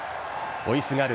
追いすがる